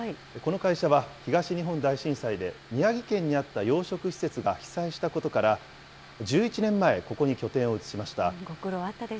この会社は、東日本大震災で、宮城県にあった養殖施設が被災したことから、１１年前、ここに拠点を移しました。